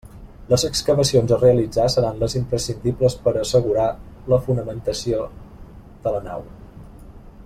Les excavacions a realitzar seran les imprescindibles per a assegurar la fonamentació de la nau.